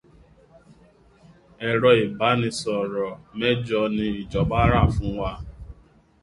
Èrọ ìbánisọ̀rọ̀ mẹ́jọ ni Ìjọba rà fún wa.